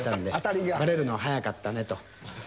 「バレるの早かったね」と。